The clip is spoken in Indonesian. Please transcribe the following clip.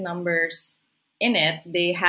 nomor tertentu di dalamnya